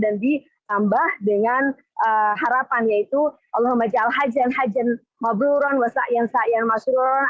dan ditambah dengan harapan yaitu allahumma ja'al hajan hajan mabluron wa sa'yan sa'yan masyuron